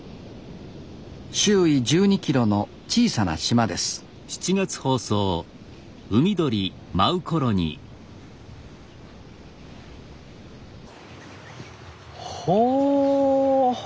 周囲１２キロの小さな島ですほ！